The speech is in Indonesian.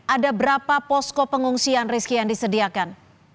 ada berapa posko pengungsian rizky yang disediakan